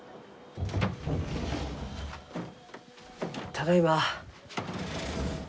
ただいま。